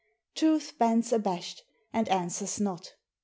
Truth bends abashed, and answers not.